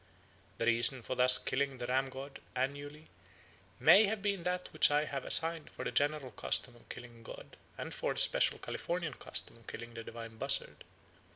The reason for thus killing the ram god annually may have been that which I have assigned for the general custom of killing a god and for the special Californian custom of killing the divine buzzard.